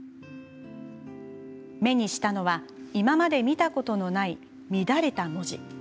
目にしたのは今まで見たことのない乱れた文字。